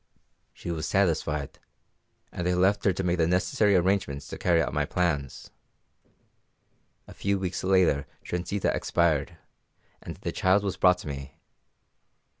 "She was satisfied, and I left her to make the necessary arrangements to carry out my plans. A few weeks later Transita expired, and the child was brought to me.